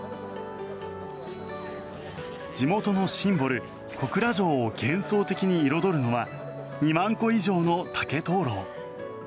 地元のシンボル、小倉城を幻想的に彩るのは２万個以上の竹灯ろう。